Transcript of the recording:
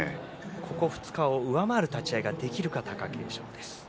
ここ２日を上回る立ち合いができるか貴景勝です。